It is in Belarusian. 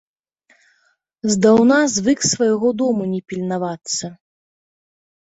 Здаўна звык свайго дому не пільнавацца.